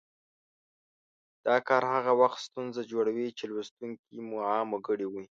دا کار هغه وخت ستونزه جوړوي چې لوستونکي مو عام وګړي وي